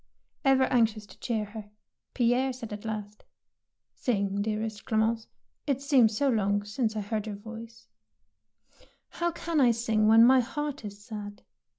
Ever anxious to cheer her, Pierre said at last, — 162 THE PEABL NECKLACE '' Sing, dearest Clemence. It seems so long since I heard your voice.'' '' How can I sing when my heart is sad?